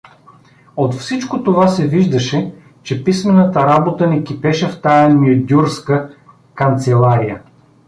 От всичко това се виждаше, че писмената работа не кипеше в тая мюдюрска канцелария.